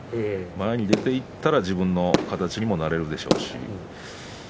前に出ていったら自分の形にもなれるでしょうし。